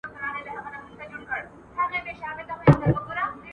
خلک اوس فکر کوي.